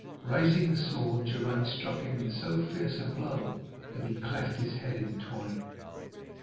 Raising the sword, Geraint struck him with so fierce a blow that he cleft his head in twain.